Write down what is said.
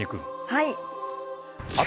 はい。